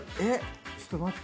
ちょっと待って。